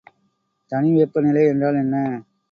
தனிவெப்பநிலை என்றால் என்ன?